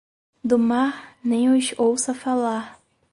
Do mar, nem os ouça falar.